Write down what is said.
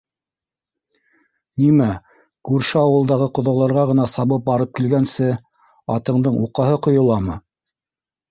Нимә, күрше ауылдағы ҡоҙаларға ғына сабып барып килгәнсе атыңдың уҡаһы ҡойоламы?